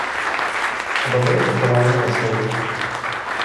Oba byli pochováni ve Sloupu.